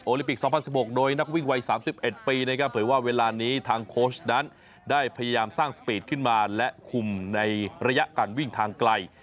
ลิปิก๒๐๑๖โดยนักวิ่งวัย๓๑ปีนะครับเผยว่าเวลานี้ทางโค้ชนั้นได้พยายามสร้างสปีดขึ้นมาและคุมในระยะการวิ่งทางไกล